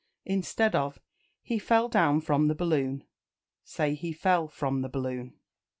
Instead of "He fell down from the balloon," say "He fell from the balloon."